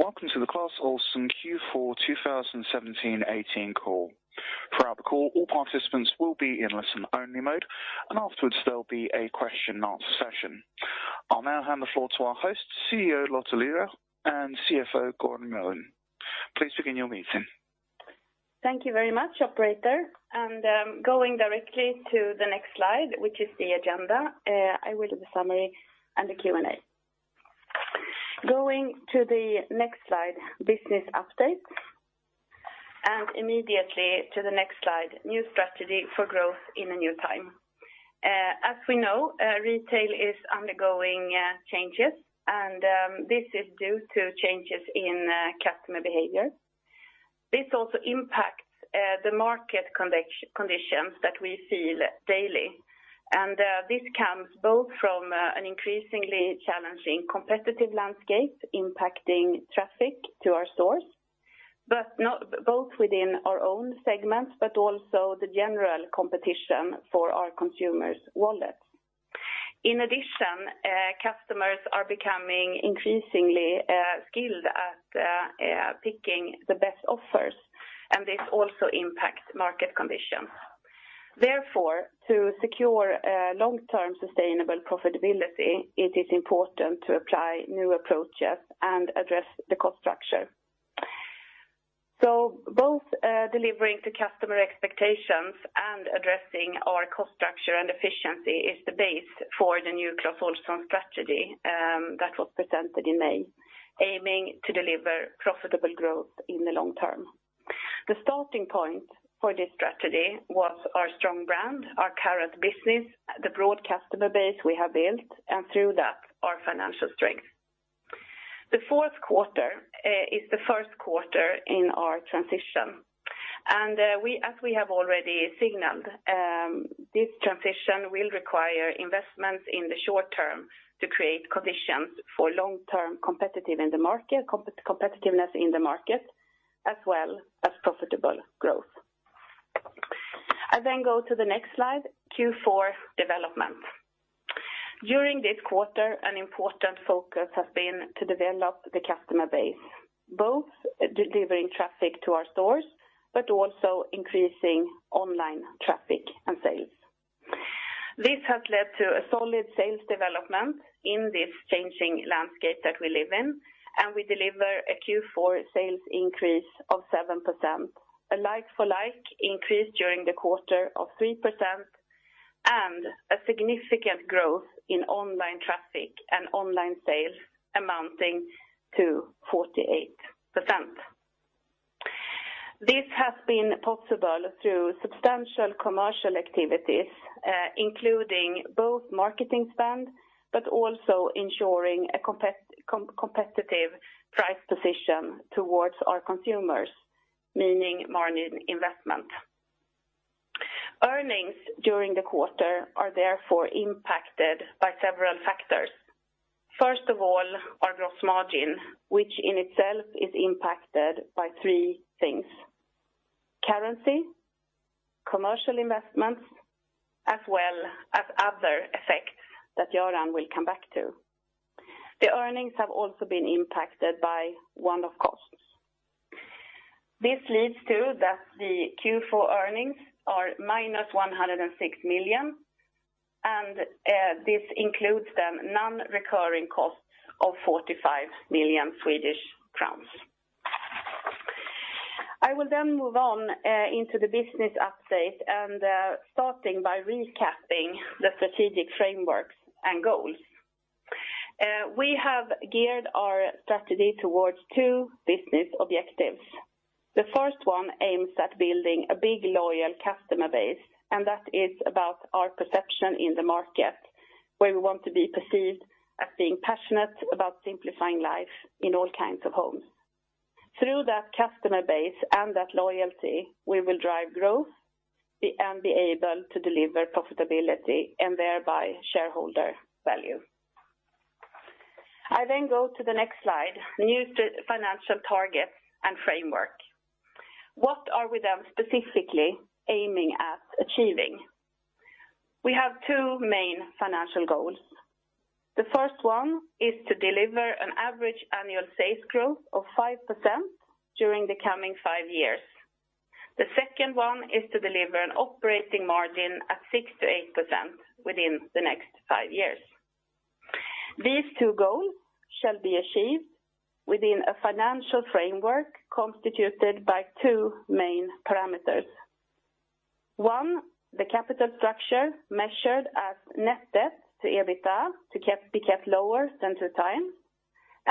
Welcome to the Clas Ohlson Q4 2017/18 call. Throughout the call, all participants will be in listen-only mode, and afterwards there'll be a question and answer session. I'll now hand the floor to our host, CEO, Lotta Lyrå, and CFO, Göran Melin. Please begin your meeting. Thank you very much, operator. Going directly to the next slide, which is the agenda, I will do the summary and the Q&A. Going to the next slide, business update, immediately to the next slide, new strategy for growth in a new time. As we know, retail is undergoing changes, this is due to changes in customer behavior. This also impacts the market conditions that we feel daily. This comes both from an increasingly challenging competitive landscape impacting traffic to our stores, both within our own segments, but also the general competition for our consumers' wallets. In addition, customers are becoming increasingly skilled at picking the best offers, this also impacts market conditions. Therefore, to secure long-term sustainable profitability, it is important to apply new approaches and address the cost structure. Both delivering to customer expectations and addressing our cost structure and efficiency is the base for the new Clas Ohlson strategy that was presented in May, aiming to deliver profitable growth in the long term. The starting point for this strategy was our strong brand, our current business, the broad customer base we have built, and through that, our financial strength. The fourth quarter is the first quarter in our transition. As we have already signaled, this transition will require investments in the short term to create conditions for long-term competitiveness in the market, as well as profitable growth. I go to the next slide, Q4 development. During this quarter, an important focus has been to develop the customer base, both delivering traffic to our stores, but also increasing online traffic and sales. This has led to a solid sales development in this changing landscape that we live in, and we deliver a Q4 sales increase of 7%, a like-for-like increase during the quarter of 3%, and a significant growth in online traffic and online sales amounting to 48%. This has been possible through substantial commercial activities, including both marketing spend, but also ensuring a competitive price position towards our consumers, meaning margin investment. Earnings during the quarter are therefore impacted by several factors. First of all, our gross margin, which in itself is impacted by three things, currency, commercial investments, as well as other effects that Göran will come back to. The earnings have also been impacted by one-off costs. This leads to that the Q4 earnings are -106 million. This includes the non-recurring cost of 45 million Swedish crowns. I will move on into the business update and starting by recapping the strategic frameworks and goals. We have geared our strategy towards two business objectives. The first one aims at building a big, loyal customer base. That is about our perception in the market, where we want to be perceived as being passionate about simplifying life in all kinds of homes. Through that customer base and that loyalty, we will drive growth and be able to deliver profitability and thereby shareholder value. I go to the next slide, new financial targets and framework. What are we specifically aiming at achieving? We have two main financial goals. The first one is to deliver an average annual sales growth of 5% during the coming five years. The second one is to deliver an operating margin at 6%-8% within the next five years. These two goals shall be achieved within a financial framework constituted by two main parameters. One, the capital structure measured as net debt to EBITDA to be kept lower than 2x.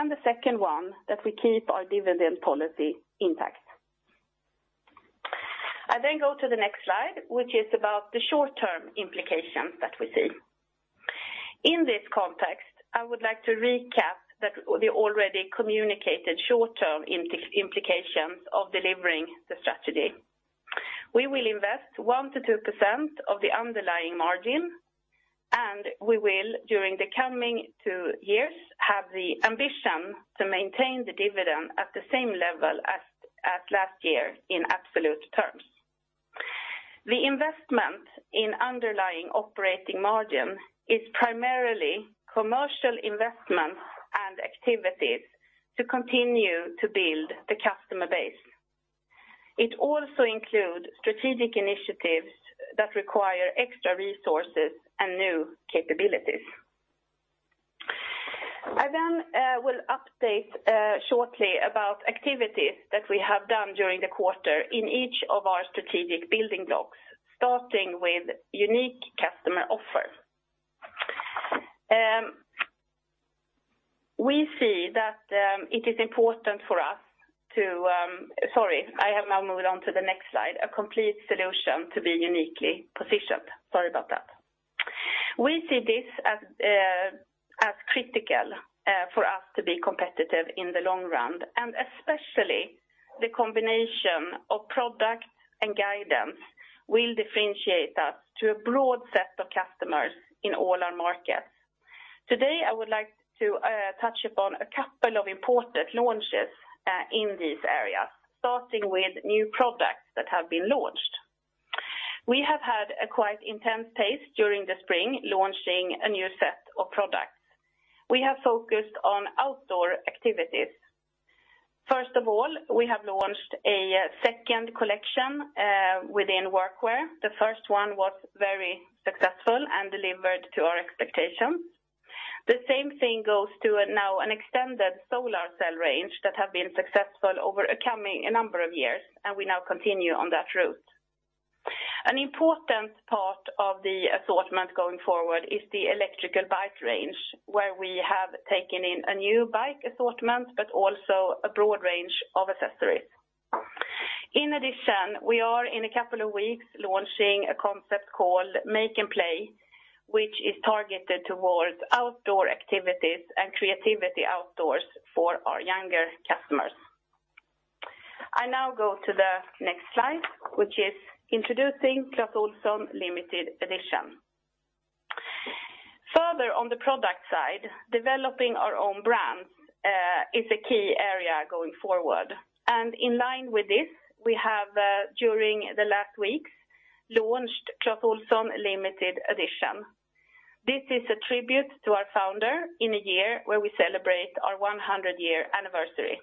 The second one, that we keep our dividend policy intact. I then go to the next slide, which is about the short-term implications that we see. In this context, I would like to recap that the already communicated short-term implications of delivering the strategy. We will invest 1%-2% of the underlying margin, and we will, during the coming two years, have the ambition to maintain the dividend at the same level as last year in absolute terms. The investment in underlying operating margin is primarily commercial investments and activities to continue to build the customer base. It also includes strategic initiatives that require extra resources and new capabilities. I then will update shortly about activities that we have done during the quarter in each of our strategic building blocks, starting with unique customer offers. We see that it is important for us to, sorry, I have now moved on to the next slide, a complete solution to be uniquely positioned. Sorry about that. We see this as as critical for us to be competitive in the long run. Especially the combination of product and guidance will differentiate us to a broad set of customers in all our markets. Today, I would like to touch upon a couple of important launches in this area, starting with new products that have been launched. We have had a quite intense pace during the spring, launching a new set of products. We have focused on outdoor activities. First of all, we have launched a second collection within workwear. The first one was very successful and delivered to our expectations. The same thing goes to now an extended solar cell range that have been successful over a number of years. We now continue on that route. An important part of the assortment going forward is the electrical bikes range, where we have taken in a new bike assortment, but also a broad range of accessories. We are in a couple of weeks launching a concept called Make & Play, which is targeted towards outdoor activities and creativity outdoors for our younger customers. I now go to the next slide, which is introducing Clas Ohlson Limited Edition. Further on the product side, developing our own brands is a key area going forward. In line with this, we have during the last weeks, launched Clas Ohlson Limited Edition. This is a tribute to our founder in a year where we celebrate our 100 year anniversary.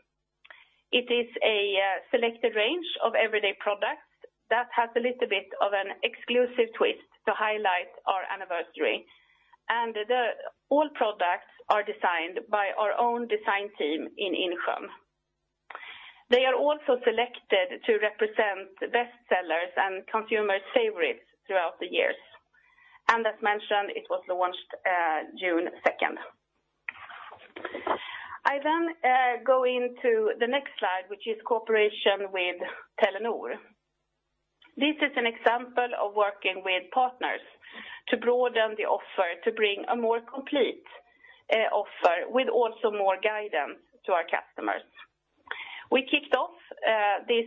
It is a selected range of everyday products that has a little bit of an exclusive twist to highlight our anniversary. All products are designed by our own design team in Insjön. They are also selected to represent the best sellers and consumer favorites throughout the years. As mentioned, it was launched June 2nd. I go into the next slide, which is cooperation with Telenor. This is an example of working with partners to broaden the offer to bring a more complete offer with also more guidance to our customers. We kicked off this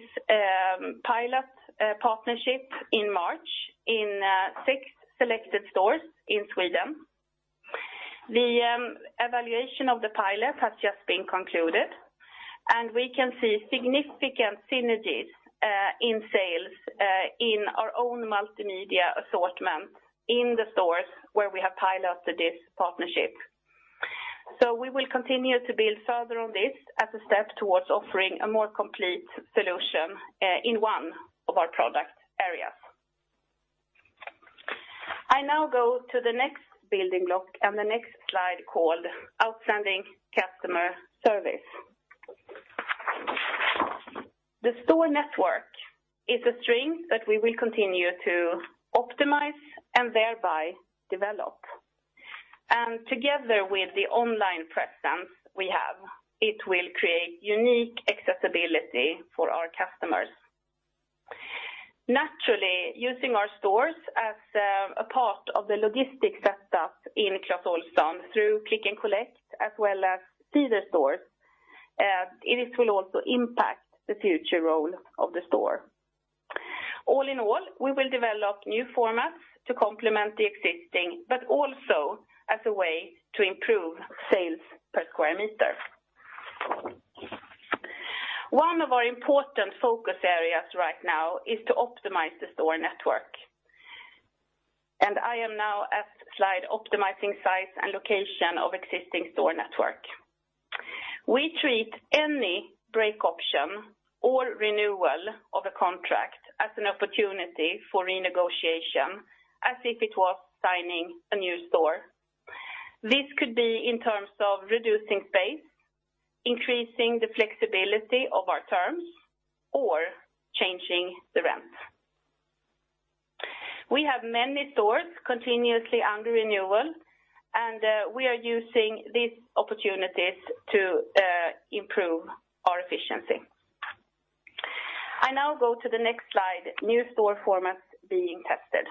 pilot partnership in March in six selected stores in Sweden. The evaluation of the pilot has just been concluded, and we can see significant synergies in sales in our own multimedia assortment in the stores where we have piloted this partnership. We will continue to build further on this as a step towards offering a more complete solution in one of our product areas. I now go to the next building block and the next slide called Outstanding Customer Service. The store network is a strength that we will continue to optimize and thereby develop. Together with the online presence we have, it will create unique accessibility for our customers. Naturally, using our stores as a part of the logistics setup in Clas Ohlson through Click & Collect as well as see the stores, it will also impact the future role of the store. All in all, we will develop new formats to complement the existing, but also as a way to improve sales per square meter. One of our important focus areas right now is to optimize the store network. I am now at slide Optimizing size and location of existing store network. We treat any break option or renewal of a contract as an opportunity for renegotiation as if it was signing a new store. This could be in terms of reducing space, increasing the flexibility of our terms, or changing the rent. We have many stores continuously under renewal, and we are using these opportunities to improve our efficiency. I now go to the next slide, New store formats being tested.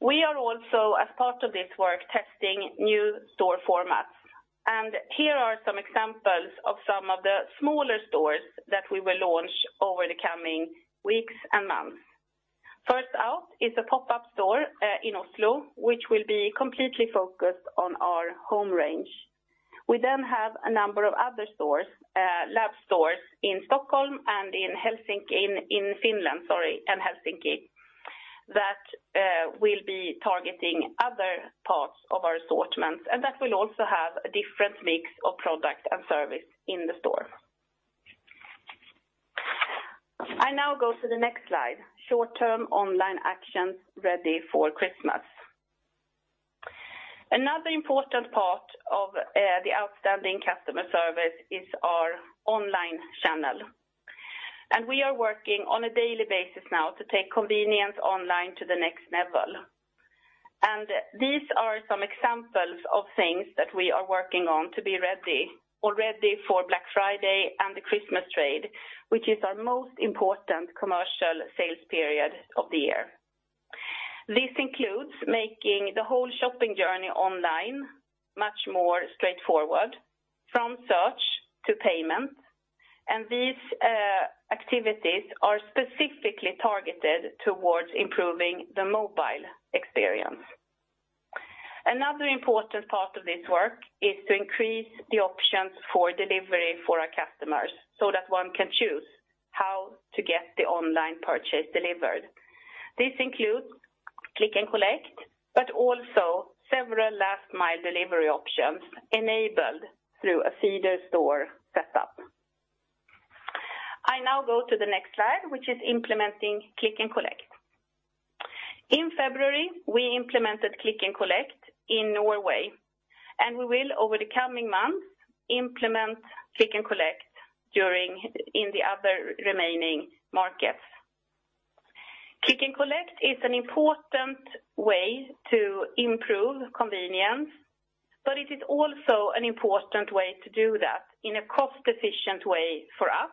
We are also, as part of this work, testing new store formats, and here are some examples of some of the smaller stores that we will launch over the coming weeks and months. First out is a pop-up store in Oslo, which will be completely focused on our home range. We then have a number of other stores, lab stores in Stockholm and in Helsinki, in Finland that will be targeting other parts of our assortment, and that will also have a different mix of product and service in the store. I now go to the next slide, short-term online actions ready for Christmas. Another important part of the outstanding customer service is our online channel. We are working on a daily basis now to take convenience online to the next level. These are some examples of things that we are working on to be ready, already for Black Friday and the Christmas trade, which is our most important commercial sales period of the year. This includes making the whole shopping journey online much more straightforward from search to payment. These activities are specifically targeted towards improving the mobile experience. Another important part of this work is to increase the options for delivery for our customers, so that one can choose how to get the online purchase delivered. This includes Click & Collect, but also several last mile delivery options enabled through a feeder store setup. I now go to the next slide, which is implementing Click & Collect. In February, we implemented Click & Collect in Norway, and we will over the coming months, implement Click & Collect in the other remaining markets. Click & Collect is an important way to improve convenience, but it is also an important way to do that in a cost-efficient way for us,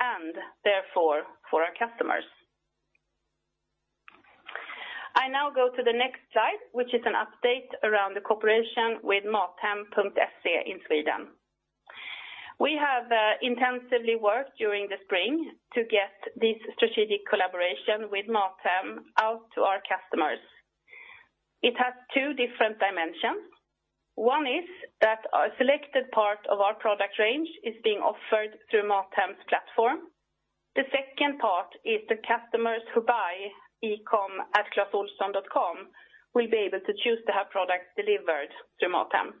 and therefore for our customers. I now go to the next slide, which is an update around the cooperation with MatHem.se in Sweden. We have intensively worked during the spring to get this strategic collaboration with MatHem out to our customers. It has 2 different dimensions. One is that a selected part of our product range is being offered through MatHem's platform. The second part is the customers who buy e-com at clasohlson.com will be able to choose to have products delivered through MatHem.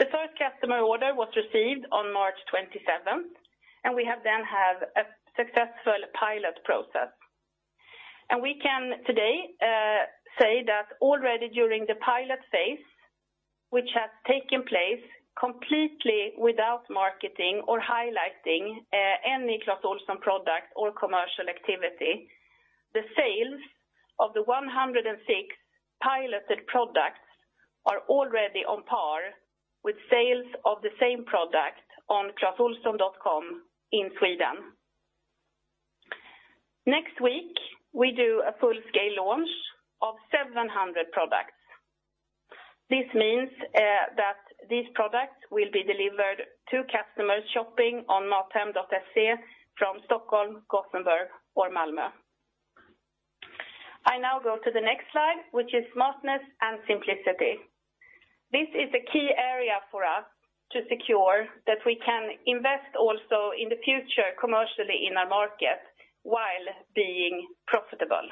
The first customer order was received on March 27th. We have then had a successful pilot process. We can today say that already during the pilot phase, which has taken place completely without marketing or highlighting any Clas Ohlson product or commercial activity, the sales of the 106 piloted products are already on par with sales of the same product on clasohlson.com in Sweden. Next week, we do a full-scale launch of 700 products. This means that these products will be delivered to customers shopping on MatHem.se from Stockholm, Gothenburg or Malmö. I now go to the next slide, which is smartness and simplicity. This is a key area for us to secure that we can invest also in the future commercially in our market while being profitable.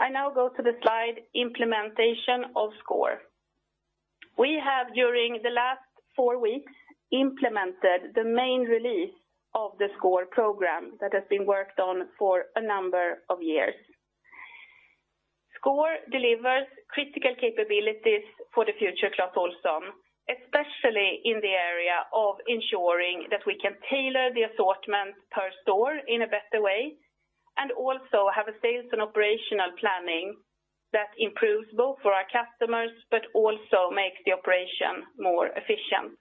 I now go to the slide implementation of sCORE. We have during the last four weeks, implemented the main release of the sCORE program that has been worked on for a number of years. sCORE delivers critical capabilities for the future Clas Ohlson, especially in the area of ensuring that we can tailor the assortment per store in a better way, and also have a sales and operational planning that improves both for our customers, but also makes the operation more efficient.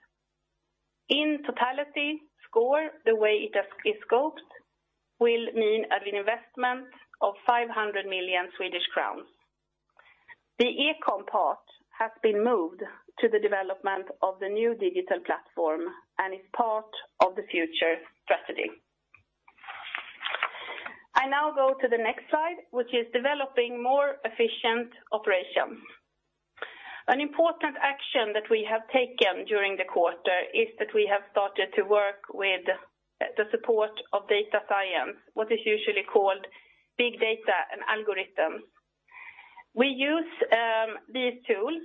In totality, sCORE, the way it has been scoped, will mean an investment of 500 million Swedish crowns. The e-com part has been moved to the development of the new digital platform and is part of the future strategy. I now go to the next slide, which is developing more efficient operations. An important action that we have taken during the quarter is that we have started to work with the support of data science, what is usually called big data and algorithms. We use these tools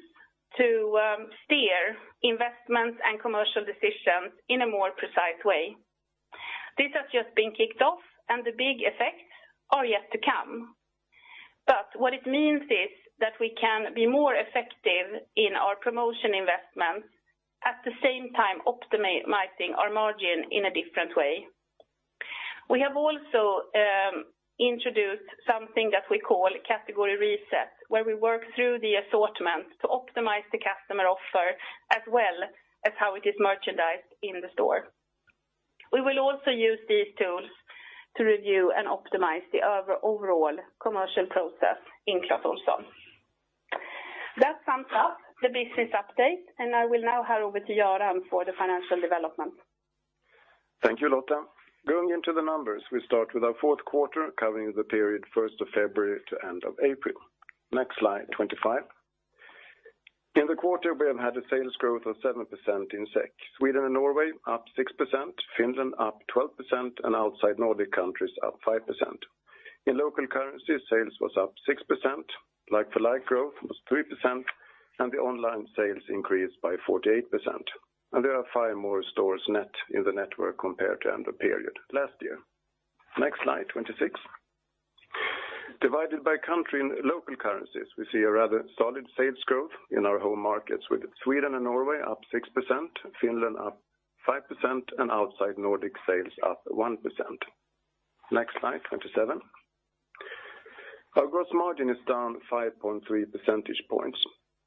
to steer investments and commercial decisions in a more precise way. This has just been kicked off and the big effects are yet to come. What it means is that we can be more effective in our promotion investments at the same time optimizing our margin in a different way. We have also introduced something that we call category reset, where we work through the assortment to optimize the customer offer as well as how it is merchandised in the store. We will also use these tools to review and optimize the overall commercial process in Clas Ohlson. That sums up the business update, and I will now hand over to Göran for the financial development. Thank you, Lotta. Going into the numbers, we start with our 4th quarter, covering the period 1st of February to end of April. Next slide, 25. In the quarter, we have had a sales growth of 7% in SEK. Sweden and Norway up 6%, Finland up 12%, and outside Nordic countries up 5%. In local currency, sales was up 6%, like-for-like growth was 3%, and the online sales increased by 48%. There are five more stores net in the network compared to end of period last year. Next slide, 26. Divided by country and local currencies, we see a rather solid sales growth in our home markets, with Sweden and Norway up 6%, Finland up 5%, and outside Nordic sales up 1%. Next slide, 27. Our gross margin is down 5.3 percentage points.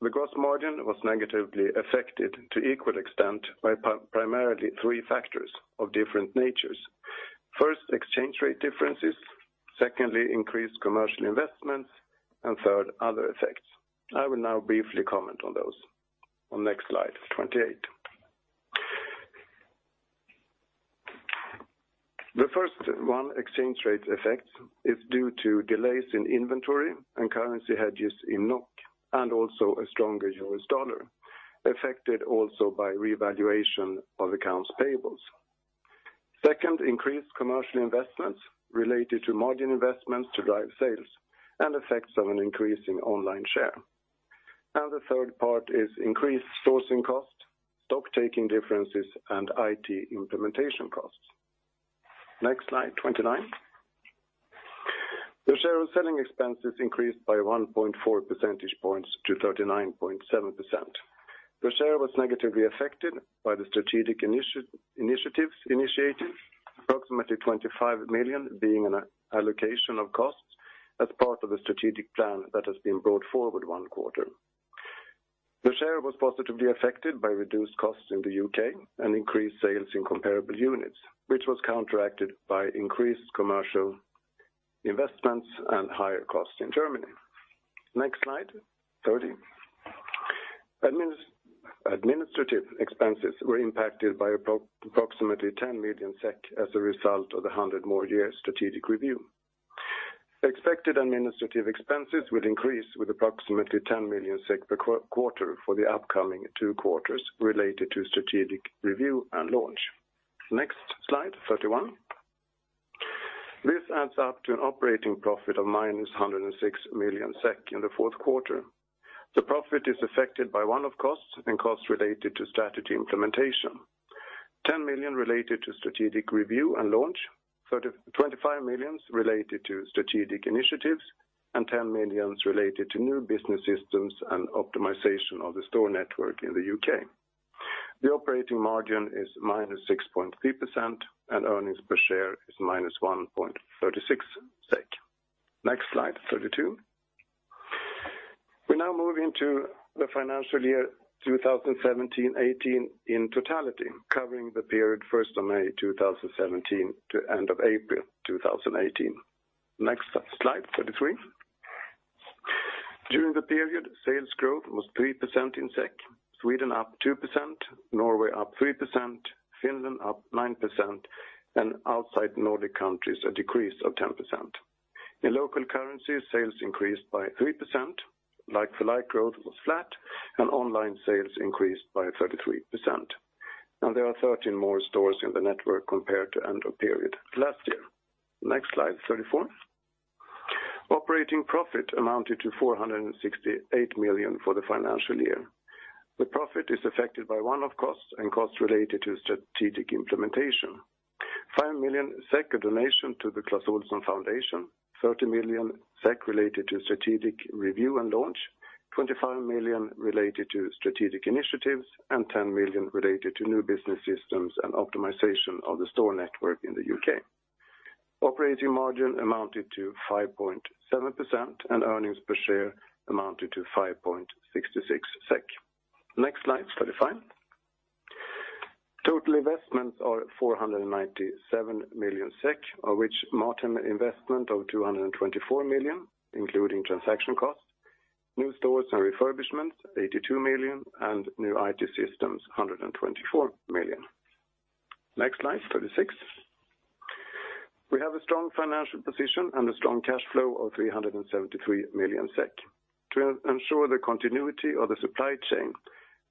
The gross margin was negatively affected to equal extent by primarily three factors of different natures. First, exchange rate differences, secondly, increased commercial investments, and third, other effects. I will now briefly comment on those on next slide, 28. The first one, exchange rate effect, is due to delays in inventory and currency hedges in NOK, and also a stronger US dollar, affected also by revaluation of accounts payables. Second, increased commercial investments related to margin investments to drive sales and effects of an increase in online share. The third part is increased sourcing costs, stock-taking differences, and IT implementation costs. Next slide, 29. The share of selling expenses increased by 1.4 percentage points to 39.7%. The share was negatively affected by the strategic initiatives initiated, approximately 25 million being an allocation of costs as part of a strategic plan that has been brought forward one quarter. The share was positively affected by reduced costs in the UK and increased sales in comparable units, which was counteracted by increased commercial investments and higher costs in Germany. Next slide, 30. Administrative expenses were impacted by approximately 10 million SEK as a result of the 100 more year strategic review. Expected administrative expenses will increase with approximately 10 million SEK per quarter for the upcoming two quarters related to strategic review and launch. Next slide, 31. This adds up to an operating profit of -106 million SEK in the fourth quarter. The profit is affected by one-off costs and costs related to strategy implementation. 10 million related to strategic review and launch, 25 million related to strategic initiatives, 10 million related to new business systems and optimization of the store network in the U.K. The operating margin is -6.3%, earnings per share is -1.36 SEK. Next slide, 32. We now move into the financial year 2017-2018 in totality, covering the period first of May 2017 to end of April 2018. Next slide, 33. During the period, sales growth was 3% in SEK, Sweden up 2%, Norway up 3%, Finland up 9%. Outside Nordic countries a decrease of 10%. In local currency, sales increased by 3%, like-for-like growth was flat. Online sales increased by 33%. There are 13 more stores in the network compared to end of period last year. Next slide, 34. Operating profit amounted to 468 million for the financial year. The profit is affected by one-off costs and costs related to strategic implementation. 5 million SEK, a donation to the Clas Ohlson Foundation, 30 million SEK related to strategic review and launch, 25 million related to strategic initiatives, and 10 million related to new business systems and optimization of the store network in the U.K. Operating margin amounted to 5.7%, and earnings per share amounted to 5.66 SEK. Next slide, 35. Total investments are 497 million SEK, of which MatHem investment of 224 million, including transaction costs, new stores and refurbishments 82 million, and new IT systems 124 million. Next slide, 36. We have a strong financial position and a strong cash flow of 373 million SEK. To ensure the continuity of the supply chain,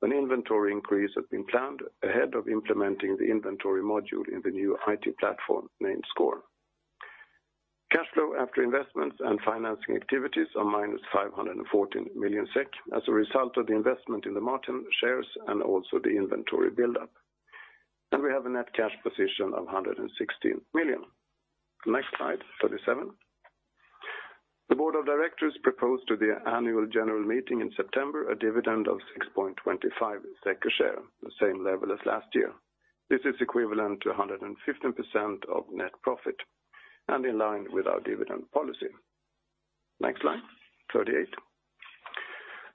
an inventory increase has been planned ahead of implementing the inventory module in the new IT platform named sCORE. Cash flow after investments and financing activities are -514 million SEK as a result of the investment in the MatHem shares and also the inventory buildup. We have a net cash position of 116 million. Next slide, 37. The Board of Directors proposed to the annual general meeting in September a dividend of 6.25 SEK a share, the same level as last year. This is equivalent to 115% of net profit and in line with our dividend policy. Next slide, 38.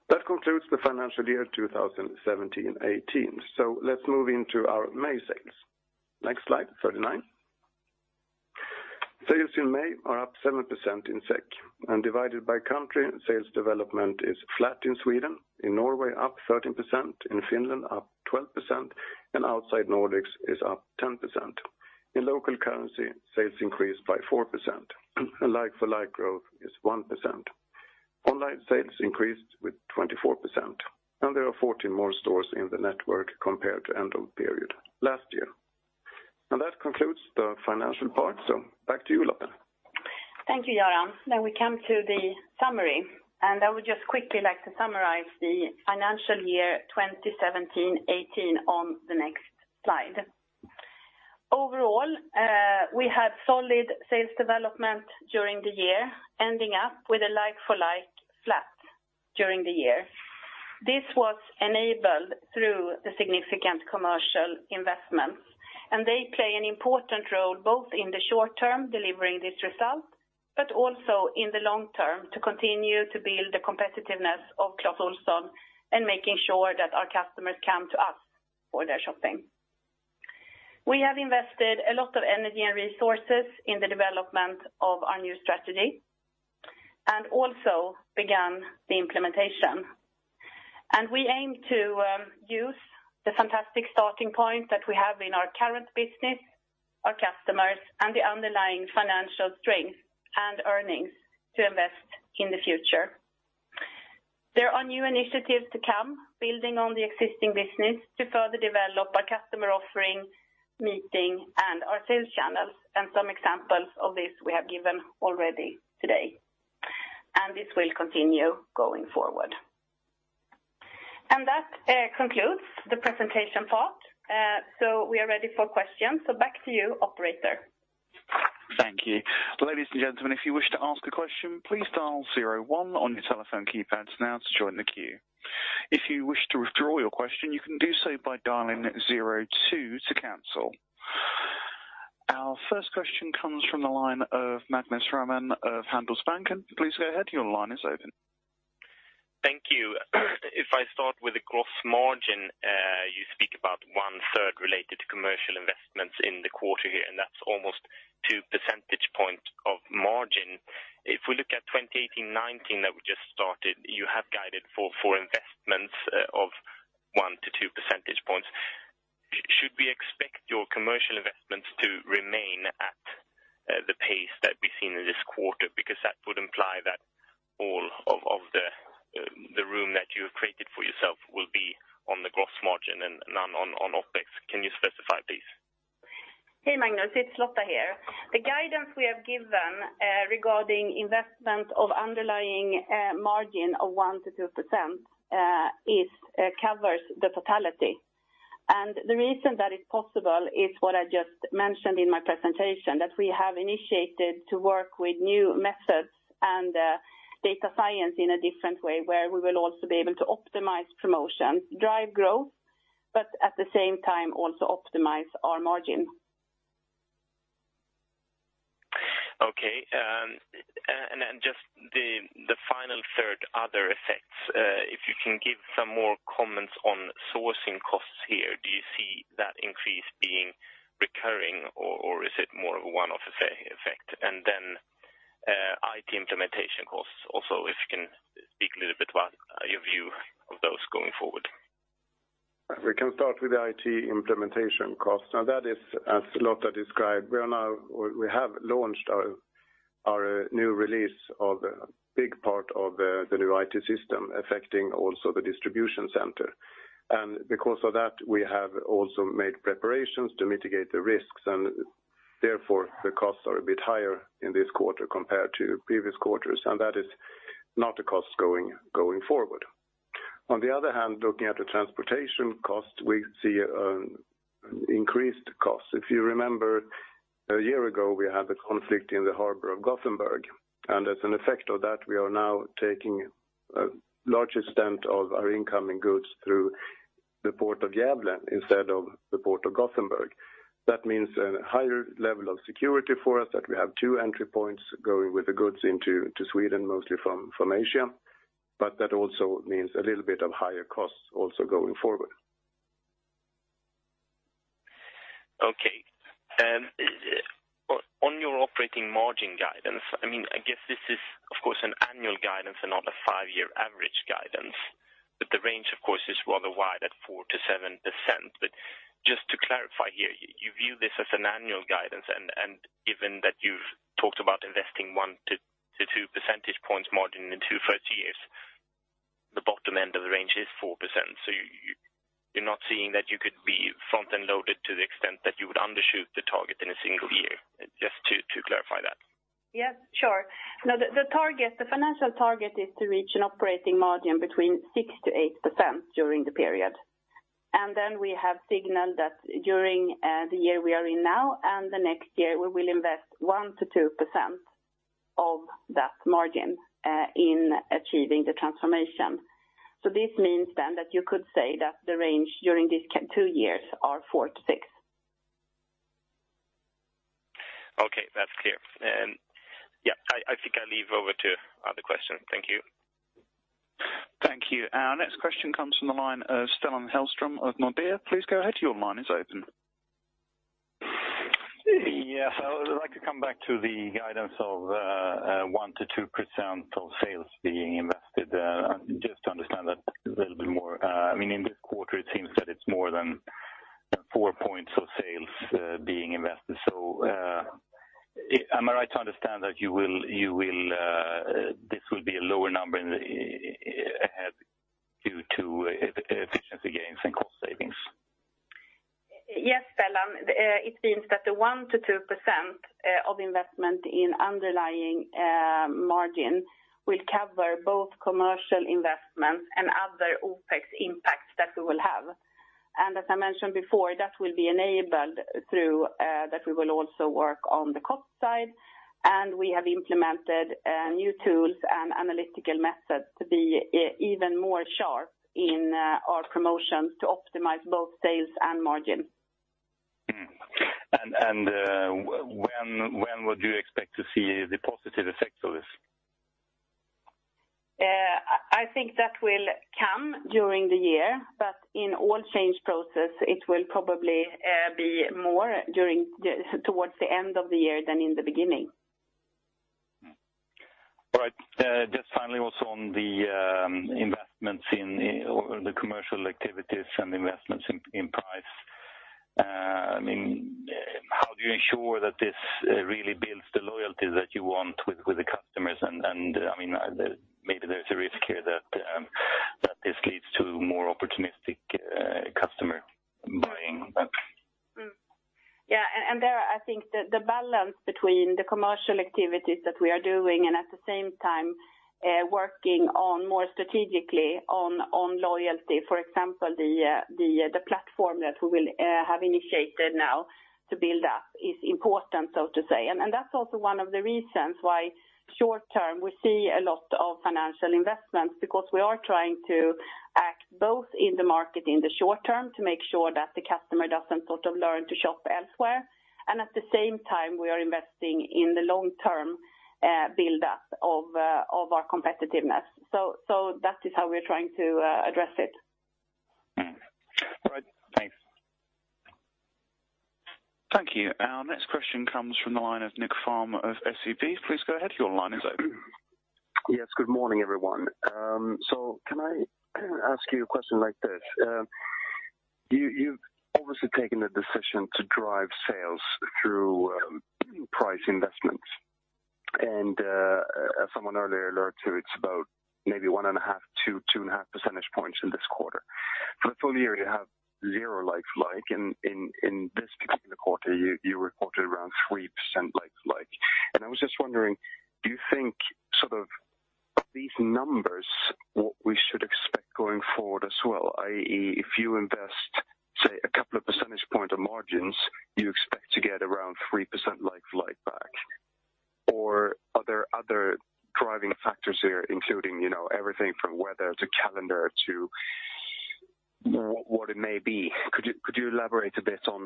That concludes the financial year 2017-2018. Let's move into our May sales. Next slide, 39. Sales in May are up 7% in SEK and divided by country sales development is flat in Sweden, in Norway up 13%, in Finland up 12%, and outside Nordics is up 10%. In local currency, sales increased by 4% and like-for-like growth is 1%. Online sales increased with 24% and there are 14 more stores in the network compared to end of period last year. That concludes the financial part. Back to you, Lotta. Thank you, Göran. Now we come to the summary. I would just quickly like to summarize the financial year 2017/2018 on the next slide. Overall, we had solid sales development during the year, ending up with a like-for-like flat during the year. This was enabled through the significant commercial investments, and they play an important role, both in the short term, delivering this result, but also in the long term to continue to build the competitiveness of Clas Ohlson and making sure that our customers come to us for their shopping. We have invested a lot of energy and resources in the development of our new strategy and also began the implementation. We aim to use the fantastic starting point that we have in our current business, our customers, and the underlying financial strength and earnings to invest in the future. There are new initiatives to come, building on the existing business to further develop our customer offering, meeting and our sales channels. Some examples of this we have given already today. This will continue going forward. That concludes the presentation part. We are ready for questions. Back to you, operator. Thank you. Ladies and gentlemen, if you wish to ask a question, please dial zero one on your telephone keypads now to join the queue. If you wish to withdraw your question, you can do so by dialing zero two to cancel. Our first question comes from the line of Magnus Råman of Handelsbanken. Please go ahead. Your line is open. Thank you. If I start with the gross margin, you speak about one-third related to commercial investments in the quarter here, and that's almost two percentage points of margin. If we look at 2018/2019 that we just started, you have guided for investments of 1-2 percentage points. Should we expect your commercial investments to remain at the pace that we've seen in this quarter? That would imply that all of the room that you have created for yourself will be on the gross margin and none on OpEx. Can you specify, please? Hey, Magnus, it's Lotta here. The guidance we have given regarding investment of underlying margin of 1%-2%, it covers the totality. The reason that is possible is what I just mentioned in my presentation, that we have initiated to work with new methods and data science in a different way, where we will also be able to optimize promotions, drive growth, but at the same time also optimize our margin. Okay. And then just the final third, other effects, if you can give some more comments on sourcing costs here. Do you see that increase being recurring or is it more of a one-off effect? Then IT implementation costs also, if you can speak a little bit about your view of those going forward. We can start with the IT implementation costs. Now that is, as Lotta described, we have launched our new release of a big part of the new IT system affecting also the distribution center. Because of that, we have also made preparations to mitigate the risks. Therefore the costs are a bit higher in this quarter compared to previous quarters. That is not a cost going forward. On the other hand, looking at the transportation costs, we see increased costs. If you remember, a year ago, we had the conflict in the harbor of Gothenburg. As an effect of that, we are now taking a large extent of our incoming goods through the Port of Gävle instead of the Port of Gothenburg. That means a higher level of security for us, that we have two entry points going with the goods into, to Sweden, mostly from Asia, but that also means a little bit of higher costs also going forward. Okay. On your operating margin guidance, I mean, I guess this is of course an annual guidance and not a five-year average guidance, but the range of course is rather wide at 4%-7%. Just to clarify here, you view this as an annual guidance and, given that you've talked about investing 1-2 percentage points margin in two-three years, the bottom end of the range is 4%. You're not seeing that you could be front-end loaded to the extent that you would undershoot the target in a single year, just to clarify that. Yes, sure. The financial target is to reach an operating margin between 6%-8% during the period. We have signaled that during the year we are in now and the next year, we will invest 1%-2% of that margin in achieving the transformation. This means that you could say that the range during these two years are 4%-6%. Okay, that's clear. Yeah, I think I leave over to other questions. Thank you. Our next question comes from the line of Stellan Hellström of Nordea. Please go ahead. Your line is open. Yes. I would like to come back to the guidance of 1%-2% of sales being invested, just to understand that a little bit more. I mean, in this quarter, it seems that it's more than four points of sales being invested. Am I right to understand that you will, this will be a lower number in the due to efficiency gains and cost savings? Yes, Stellan. It means that the 1%-2% of investment in underlying margin will cover both commercial investments and other OpEx impacts that we will have. As I mentioned before, that will be enabled through that we will also work on the cost side. We have implemented new tools and analytical methods to be even more sharp in our promotions to optimize both sales and margin. Mm-hmm. When would you expect to see the positive effects of this? I think that will come during the year. In all change process, it will probably be more towards the end of the year than in the beginning. All right. Just finally, also on the investments in the commercial activities and investments in price, I mean, how do you ensure that this really builds the loyalty that you want with the customers? I mean, maybe there's a risk here that this leads to more opportunistic customer buying. Yeah. There, I think the balance between the commercial activities that we are doing and at the same time, working on more strategically on loyalty, for example, the platform that we will have initiated now to build up is important, so to say. That's also one of the reasons why short term, we see a lot of financial investments because we are trying to act both in the market in the short term to make sure that the customer doesn't sort of learn to shop elsewhere. At the same time, we are investing in the long-term build up of our competitiveness. That is how we are trying to address it. Mm-hmm. All right. Thanks. Thank you. Our next question comes from the line of Nick Fhärm of SEB. Please go ahead. Your line is open. Good morning, everyone. Can I ask you a question like this? You've obviously taken the decision to drive sales through price investments. As someone earlier alerted to, it's about maybe 1.5 to 2.5 percentage points in this quarter. For the full year, you have zero like-for-like. In this particular quarter, you reported around 3% like-for-like. I was just wondering, do you think sort of these numbers, what we should expect going forward as well, i.e., if you invest, say, a couple of percentage point on margins, you expect to get around 3% like-for-like back? Or are there other driving factors here, including, you know, everything from weather to calendar to what it may be? Could you elaborate a bit on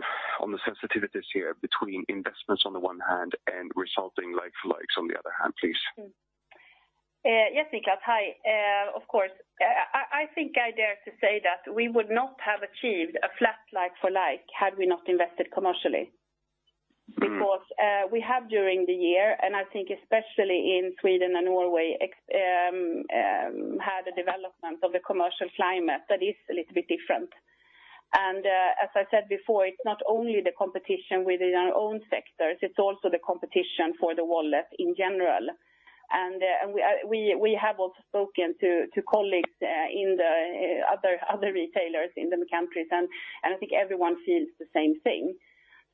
the sensitivities here between investments on the one hand and resulting like-for-like on the other hand, please? Yes, Nick. Hi. Of course. I think I dare to say that we would not have achieved a flat like-for-like had we not invested commercially. Mm-hmm. We have during the year, and I think especially in Sweden and Norway, had a development of the commercial climate that is a little bit different. As I said before, it's not only the competition within our own sectors, it's also the competition for the wallet in general. We have also spoken to colleagues in the other retailers in the countries, and I think everyone feels the same thing.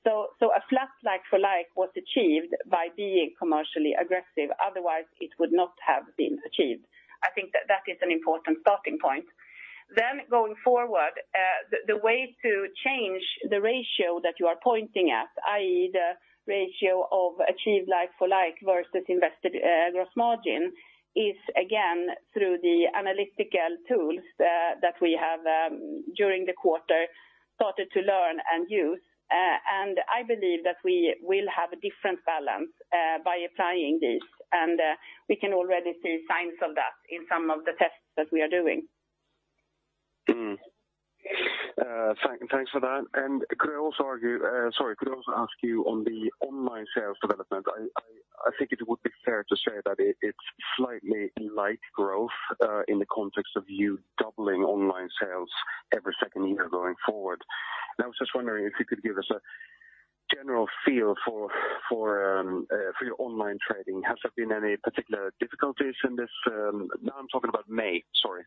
A flat like-for-like was achieved by being commercially aggressive. Otherwise, it would not have been achieved. I think that is an important starting point. Going forward, the way to change the ratio that you are pointing at, i.e., the ratio of achieved like-for-like versus invested, gross margin, is again through the analytical tools that we have, during the quarter started to learn and use. I believe that we will have a different balance by applying this. We can already see signs of that in some of the tests that we are doing. Thanks for that. Could I also ask you on the online sales development? I think it would be fair to say that it's slightly like growth in the context of you doubling online sales every second year going forward. I was just wondering if you could give us a general feel for your online trading. Has there been any particular difficulties in this? Now I'm talking about May, sorry.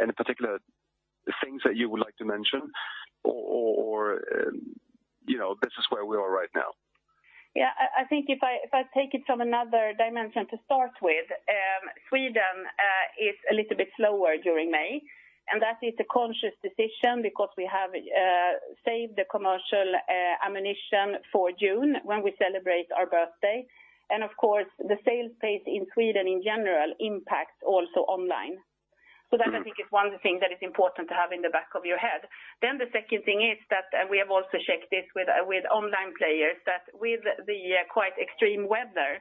Any particular things that you would like to mention or, you know, this is where we are right now? Yeah, I think if I, if I take it from another dimension to start with, Sweden is a little bit slower during May, and that is a conscious decision because we have saved the commercial ammunition for June when we celebrate our birthday. Of course, the sales pace in Sweden in general impacts also online. Mm-hmm. That I think is one thing that is important to have in the back of your head. The second thing is that we have also checked this with online players, that with the quite extreme weather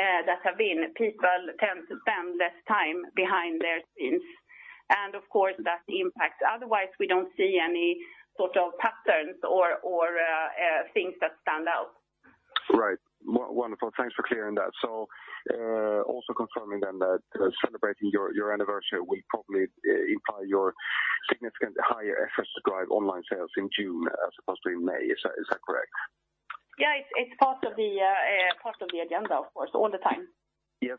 that have been, people tend to spend less time behind their screens. Of course that impacts. Otherwise we don't see any sort of patterns or things that stand out. Right. Wonderful. Thanks for clearing that. Also confirming then that celebrating your anniversary will probably imply your significant higher efforts to drive online sales in June as opposed to in May. Is that correct? Yeah. It's part of the agenda, of course, all the time. Yes.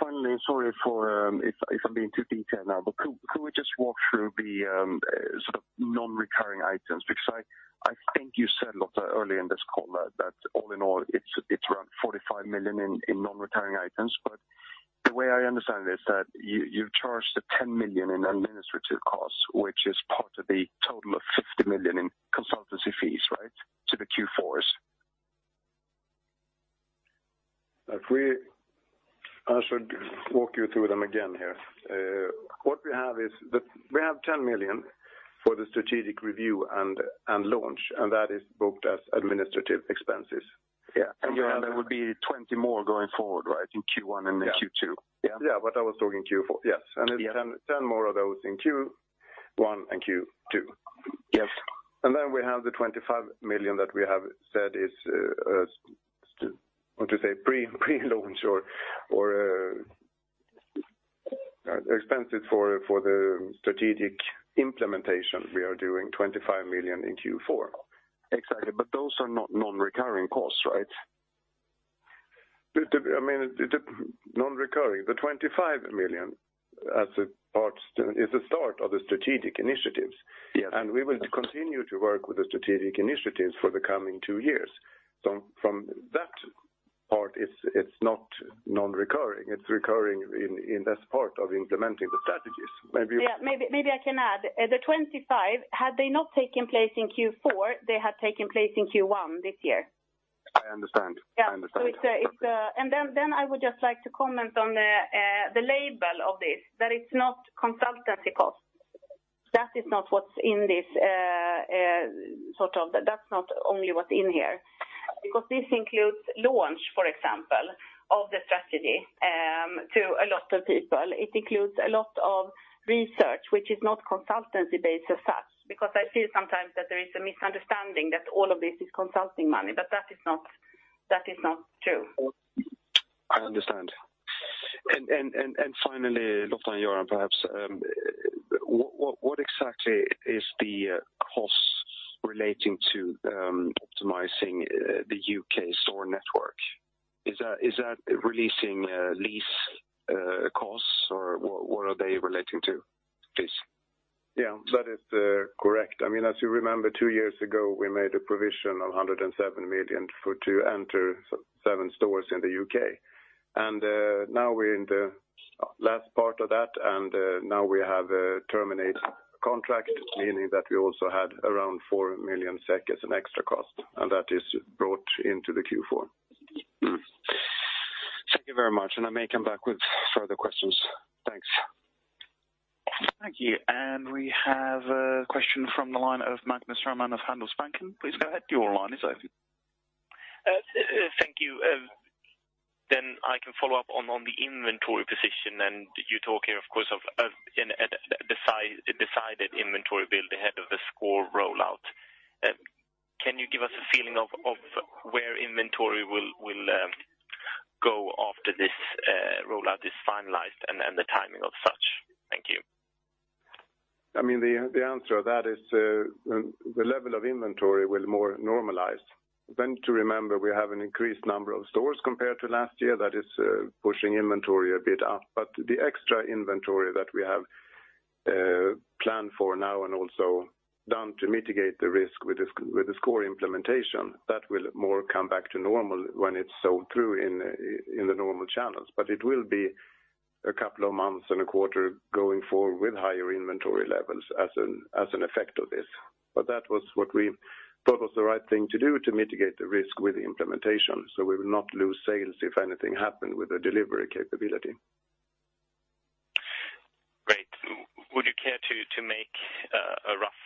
Finally, sorry for if I'm being too detailed now, but could we just walk through the sort of non-recurring items? Because I think you said, Lotta, early in this call that all in all it's around 45 million in non-recurring items. The way I understand it is that you charged the 10 million in administrative costs, which is part of the total of 50 million in consultancy fees, right, to the Q4s? I should walk you through them again here. What we have is we have 10 million SEK for the strategic review and launch, that is booked as administrative expenses. Yeah. There would be 20 more going forward, right, in Q1 and then Q2? Yeah. Yeah. Yeah. I was talking Q4. Yes. Yeah. 10 more of those in Q1 and Q2. Yes. We have the 25 million that we have said is pre-launch or expenses for the strategic implementation. We are doing 25 million in Q4. Exactly. Those are not non-recurring costs, right? The I mean, the non-recurring, the 25 million as a part is the start of the strategic initiatives. Yes. We will continue to work with the strategic initiatives for the coming two years. From that part, it's not non-recurring. It's recurring in this part of implementing the strategies. Yeah. Maybe I can add. The 25, had they not taken place in Q4, they had taken place in Q1 this year. I understand. Yeah. I understand. Okay. I would just like to comment on the label of this, that it's not consultancy costs. That is not what's in this, sort of. That's not only what's in here, because this includes launch, for example, of the strategy, to a lot of people. It includes a lot of research which is not consultancy-based as such, because I feel sometimes that there is a misunderstanding that all of this is consulting money, but that is not true. I understand. Finally, Lotta and Göran perhaps, what exactly is the costs relating to optimizing the U.K. store network? Is that releasing lease costs or what are they relating to, please? Yeah, that is correct. I mean, as you remember two years ago we made a provision of 107 million for, to enter seven stores in the U.K. Now we're in the last part of that. Now we have terminated contract, meaning that we also had around 4 million SEK as an extra cost. That is brought into the Q4. Thank you very much. I may come back with further questions. Thanks. Thank you. We have a question from the line of Magnus Råman of Handelsbanken. Please go ahead. Your line is open. Thank you. I can follow up on the inventory position. You talk here of course of, at a decided inventory build ahead of the sCORE rollout. Can you give us a feeling of where inventory will go after this rollout is finalized and the timing of such? Thank you. I mean, the answer of that is the level of inventory will more normalize. To remember we have an increased number of stores compared to last year that is pushing inventory a bit up. The extra inventory that we have planned for now and also done to mitigate the risk with the sCORE implementation, that will more come back to normal when it's sold through in the normal channels. It will be a couple of months and a quarter going forward with higher inventory levels as an effect of this. That was what we thought was the right thing to do to mitigate the risk with the implementation, so we will not lose sales if anything happened with the delivery capability. Great. Would you care to make a rough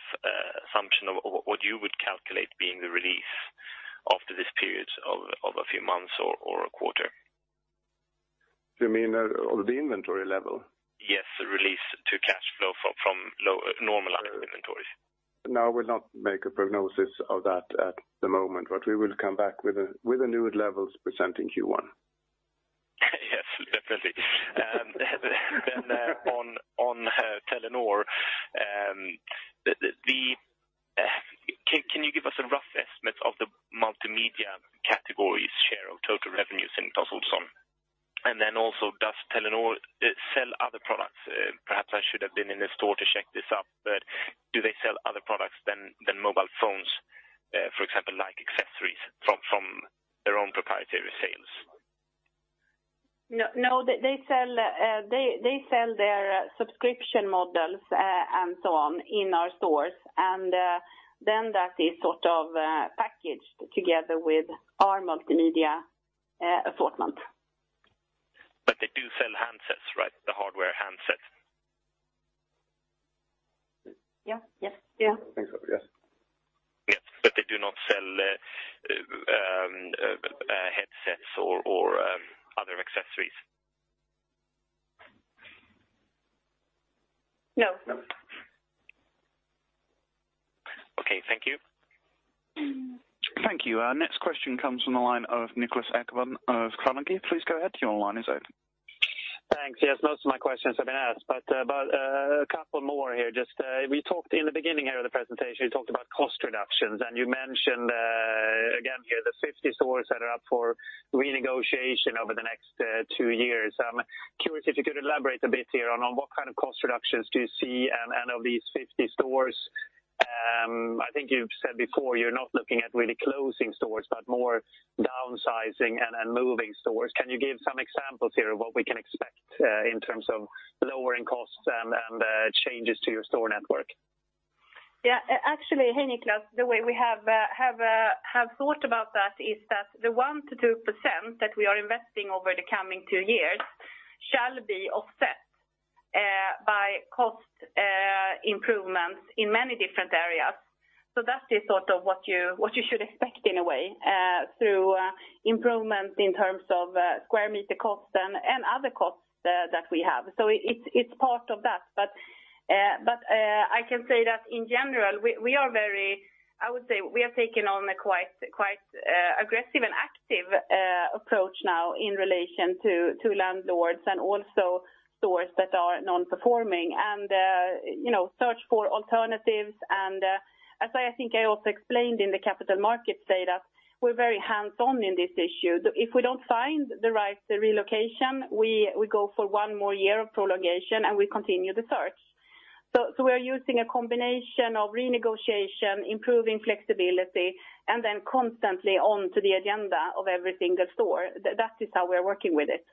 assumption of what you would calculate being the release after this period of a few months or a quarter? You mean, of the inventory level? Yes, the release to cash flow from low, normalized inventories. I will not make a prognosis of that at the moment, but we will come back with the new levels presenting Q1. Yes, definitely. On Telenor, can you give us a rough estimate of the multimedia category's share of total revenues in Clas Ohlson? Also does Telenor sell other products? Perhaps I should have been in the store to check this out, but do they sell other products than mobile phones, for example, like accessories from their own proprietary sales? No. No. They sell their subscription models, and so on in our stores. Then that is sort of packaged together with our multimedia assortment. They do sell handsets, right? The hardware handsets? Yeah. Yes. Yeah. Yes, they do not sell headsets or other accessories? No. Okay. Thank you. Thank you. Our next question comes from the line of Niklas Ekman of Carnegie. Please go ahead. Your line is open. Thanks. Yes, most of my questions have been asked. A couple more here. Just, we talked in the beginning here of the presentation, you talked about cost reductions, and you mentioned again here, the 50 stores that are up for renegotiation over the next two years. I'm curious if you could elaborate a bit here on what kind of cost reductions do you see and of these 50 stores, I think you've said before, you're not looking at really closing stores, but more downsizing and moving stores. Can you give some examples here of what we can expect in terms of lowering costs and changes to your store network? Actually, hey, Niklas, the way we have thought about that is that the 1%-2% that we are investing over the coming two years shall be offset by cost improvements in many different areas. That is sort of what you should expect in a way, through improvement in terms of square meter costs and other costs that we have. It's part of that. I can say that in general, we are very, I would say we have taken on a quite aggressive and active approach now in relation to landlords and also stores that are non-performing and, you know, search for alternatives. As I think I also explained in the capital markets data, we're very hands-on in this issue. If we don't find the right relocation, we go for one more year of prolongation and we continue the search. We are using a combination of renegotiation, improving flexibility, and then constantly onto the agenda of every single store. That is how we are working with it.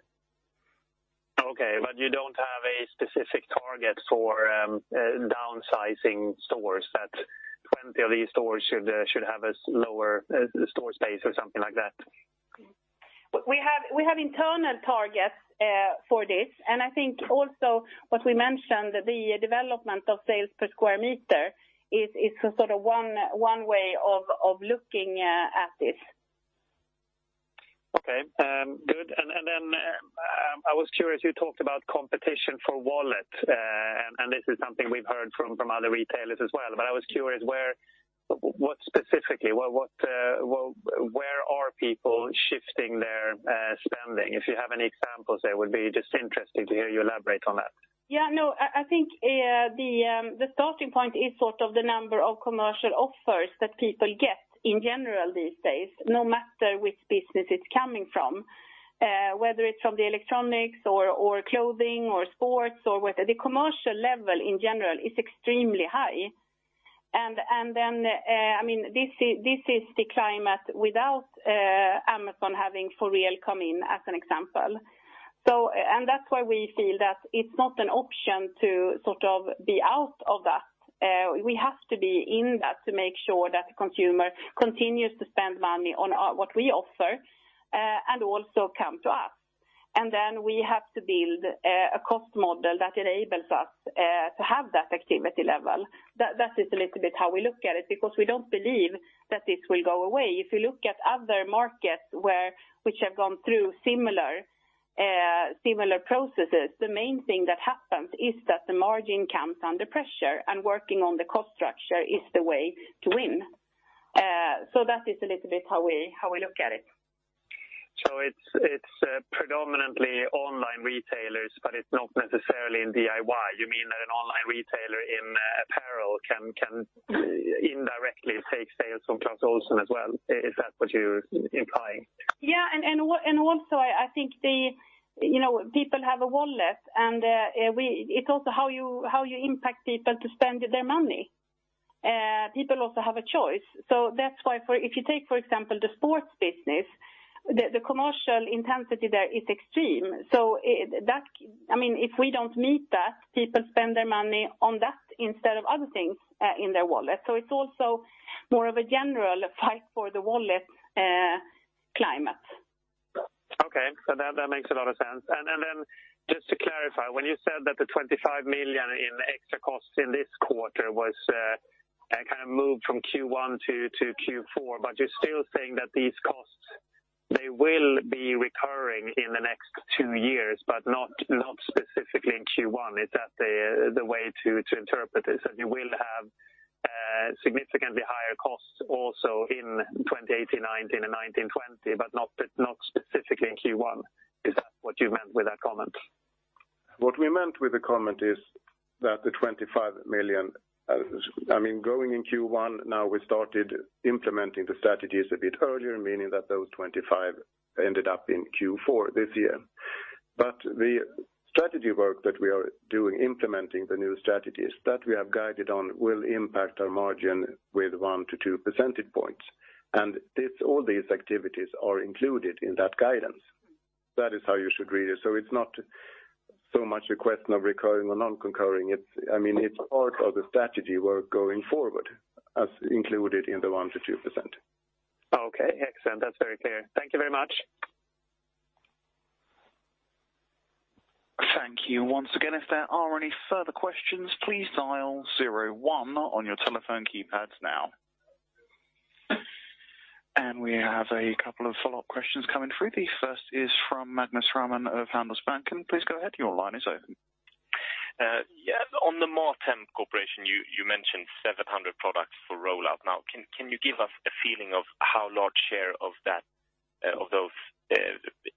Okay, you don't have a specific target for, downsizing stores that 20 of these stores should have a slower, store space or something like that? We have internal targets for this. I think also what we mentioned, the development of sales per square meter is a sort of one way of looking at this. Okay. Good. Then, I was curious, you talked about competition for wallet, and this is something we've heard from other retailers as well. I was curious, what specifically? What, well, where are people shifting their spending? If you have any examples, that would be just interesting to hear you elaborate on that. Yeah, no. I think the starting point is sort of the number of commercial offers that people get in general these days, no matter which business it's coming from, whether it's from the electronics or clothing or sports or the commercial level in general is extremely high. I mean, this is the climate without Amazon having for real come in as an example. That's why we feel that it's not an option to sort of be out of that. We have to be in that to make sure that the consumer continues to spend money on what we offer and also come to us. We have to build a cost model that enables us to have that activity level. That is a little bit how we look at it, because we don't believe that this will go away. If you look at other markets which have gone through similar processes, the main thing that happens is that the margin comes under pressure and working on the cost structure is the way to win. That is a little bit how we look at it. It's predominantly online retailers, but it's not necessarily in DIY. You mean an online retailer in apparel can indirectly take sales from Clas Ohlson as well? Is that what you're implying? Yeah. Also, I think the, you know, people have a wallet, and it's also how you impact people to spend their money. People also have a choice. That's why for if you take, for example, the sports business, the commercial intensity there is extreme. I mean, if we don't meet that, people spend their money on that instead of other things, in their wallet. It's also more of a general fight for the wallet, climate. That, that makes a lot of sense. Then just to clarify, when you said that the 25 million in extra costs in this quarter was kind of moved from Q1 to Q4, but you're still saying that these costs, they will be recurring in the next two years, but not specifically in Q1, is that the way to interpret this, that you will have significantly higher costs also in 2018, 2019, and 2020, but not specifically in Q1? Is that what you meant with that comment? What we meant with the comment is that the 25 million, I mean, going in Q1, now we started implementing the strategies a bit earlier, meaning that those 25 ended up in Q4 this year. The strategy work that we are doing, implementing the new strategies that we have guided on, will impact our margin with 1-2 percentage points. All these activities are included in that guidance. That is how you should read it. It's not so much a question of recurring or non-recurring. It's, I mean, it's part of the strategy work going forward as included in the 1-2%. Okay. Excellent. That's very clear. Thank you very much. Thank you once again. If there are any further questions, please dial zero one on your telephone keypads now. We have a couple of follow-up questions coming through. The first is from Magnus Råman of Handelsbanken. Please go ahead, your line is open. Yeah, on the MatHem Corporation, you mentioned 700 products for rollout. Can you give us a feeling of how large share of that, of those,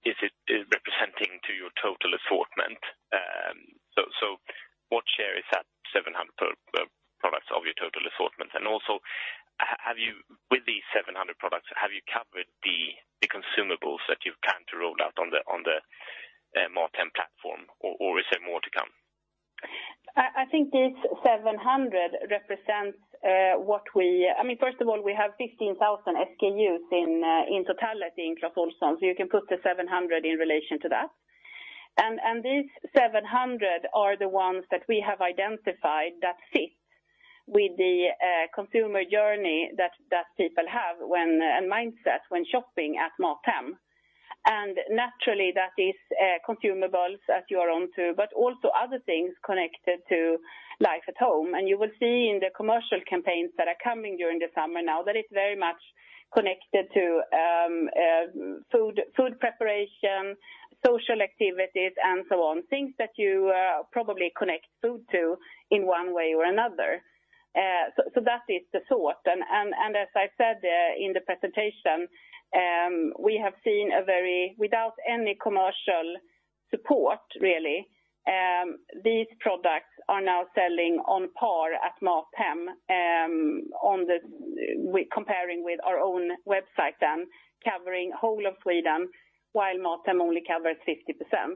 is representing to your total assortment? So what share is that 700 products of your total assortment? And also, have you with these 700 products, have you covered the consumables that you plan to roll out on the MatHem platform, or is there more to come? I think these 700 represents what we, I mean, first of all, we have 15,000 SKUs in totality in Clas Ohlson, so you can put the 700 in relation to that. These 700 are the ones that we have identified that fit with the consumer journey that people have and mindset when shopping at MatHem. Naturally, that is consumables as you are on to, but also other things connected to life at home. You will see in the commercial campaigns that are coming during the summer now that it's very much connected to food preparation, social activities, and so on. Things that you probably connect food to in one way or another. That is the thought. As I said, in the presentation, we have seen without any commercial support really, these products are now selling on par at MatHem, on the, we're comparing with our own website then, covering whole of Sweden, while MatHem only covers 50%.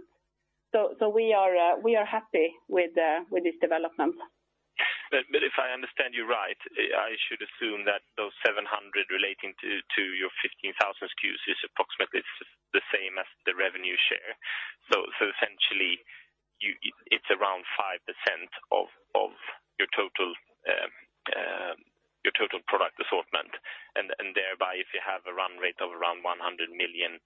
We are happy with this development. If I understand you right, I should assume that those 700 relating to your 15,000 SKUs is approximately the same as the revenue share. Essentially it's around 5% of your total product assortment. Thereby, if you have a run rate of around 100 million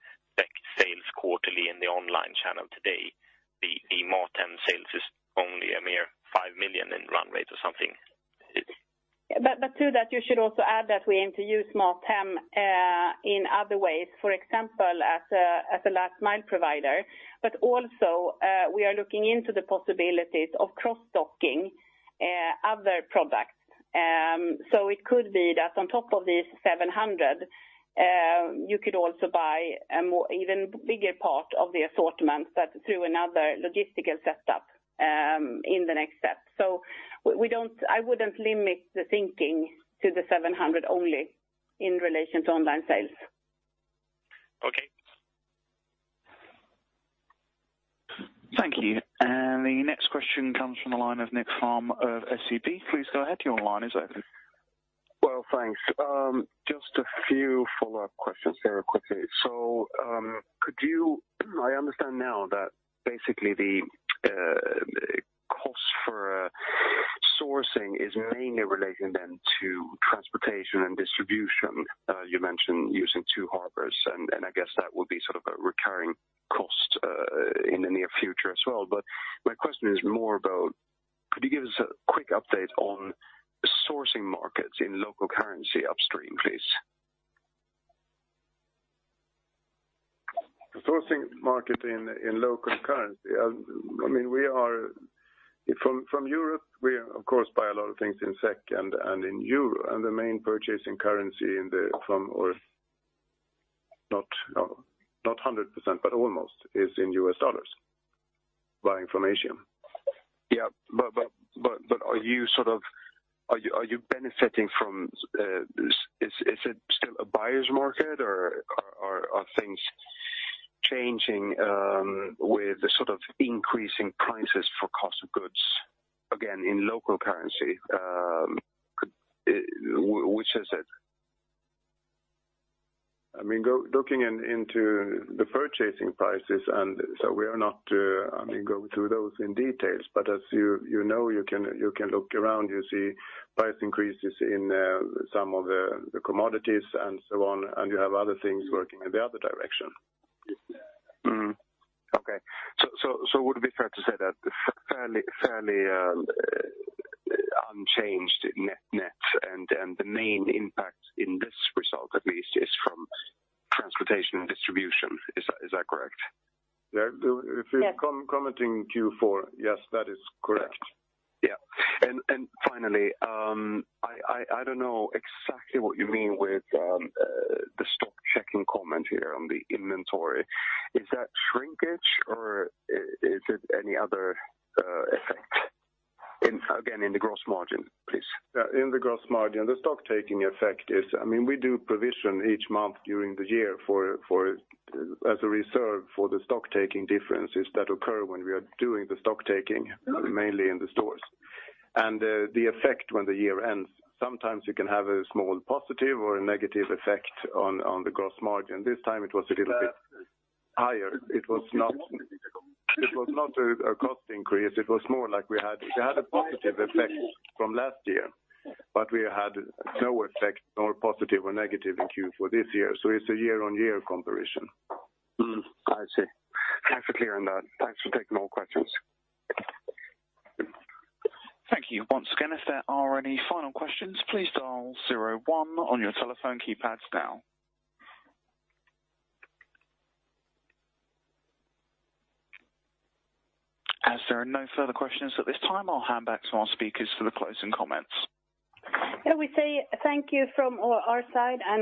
sales quarterly in the online channel today, the MatHem sales is only a mere 5 million in run rate or something. To that, you should also add that we aim to use MatHem in other ways. For example, as a last mile provider, but also we are looking into the possibilities of cross-docking other products. It could be that on top of these 700 you could also buy a more even bigger part of the assortment, but through another logistical setup in the next step. I wouldn't limit the thinking to the 700 only in relation to online sales. Okay. Thank you. The next question comes from the line of Nick Fhärm of SEB. Please go ahead, your line is open. Well, thanks. Just a few follow-up questions here quickly. I understand now that basically the cost for sourcing is mainly relating then to transportation and distribution. You mentioned using two harbors, and I guess that would be sort of a recurring cost in the near future as well. My question is more about, could you give us a quick update on sourcing markets in local currency upstream, please? Sourcing market in local currency. I mean, From Europe, we of course buy a lot of things in SEK and in EUR. The main purchasing currency From or not 100%, but almost, is in U.S. dollars, by information. Yeah. Are you benefiting from? Is it still a buyer's market or are things changing with the sort of increasing prices for cost of goods, again, in local currency? Which is it? I mean, looking into the purchasing prices. We are not, I mean, go through those in details. As you know, you can look around, you see price increases in some of the commodities and so on, and you have other things working in the other direction. Okay. Would it be fair to say that fairly, unchanged net and the main impact in this result at least is from transportation and distribution? Is that correct? Yeah. If you're commenting Q4, yes, that is correct. Yeah. finally, I don't know exactly what you mean with the stock checking comment here on the inventory. Is that shrinkage or is it any other effect in, again, in the gross margin, please? Yeah. In the gross margin, the stock taking effect is, I mean, we do provision each month during the year for a reserve for the stock taking differences that occur when we are doing the stock taking, mainly in the stores. The effect when the year ends, sometimes you can have a small positive or a negative effect on the gross margin. This time it was a little bit higher. It was not a cost increase, it was more like we had a positive effect from last year, but we had no effect, nor positive or negative in Q4 this year. It's a year-on-year comparison. I see. Thanks for clearing that. Thanks for taking all questions. Thank you. Once again, if there are any final questions, please dial zero one on your telephone keypads now. As there are no further questions at this time, I'll hand back to our speakers for the closing comments. Yeah, we say thank you from our side and.